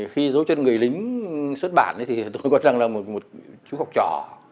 khi dấu chân người lính xuất bản thì tôi có rằng là một chú học trò